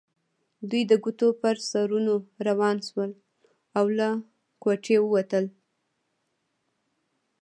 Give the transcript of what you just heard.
دوی د ګوتو پر سرونو روان شول او له کوټې ووتل.